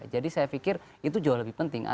jadi saya pikir itu jauh lebih penting